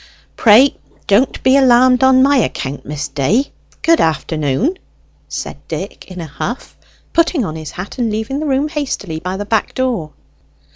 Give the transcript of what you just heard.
"Pray don't be alarmed on my account, Miss Day good afternoon!" said Dick in a huff, putting on his hat, and leaving the room hastily by the back door.